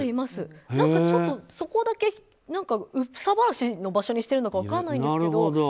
ちょっと、そこだけ憂さ晴らしの場所にしてるのか分からないですけど。